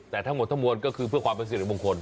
แต่ทั้งหมดทั้งหมดก็คือเพื่อความประสิทธิบงคล